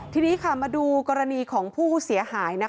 ทีนี้มาดูกรณีของผู้เสียหาย